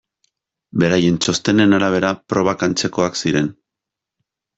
Beraien txostenen arabera probak antzekoak ziren.